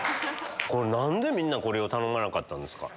何でみんなこれを頼まなかったんですか？